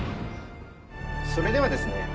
それではですね